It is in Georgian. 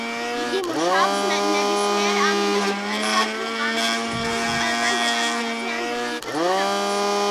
იგი მუშაობს ნებისმიერ ამინდში, დღესა თუ ღამეში, ყველგან დედამიწაზე ან დედამიწასთან ახლოს.